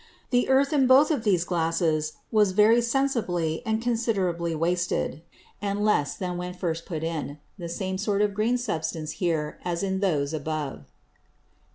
The Earth in both these Glasses was very sensibly and considerably wasted, and less than when first put in. The same sort of green Substance here as in those above.